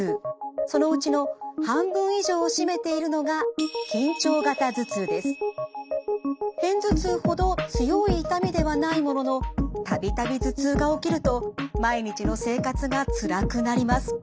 そのうちの半分以上を占めているのが片頭痛ほど強い痛みではないものの度々頭痛が起きると毎日の生活がつらくなります。